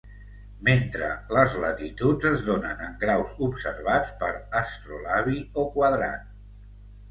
Mentre les latituds es donen en graus observats per astrolabi o quadrant.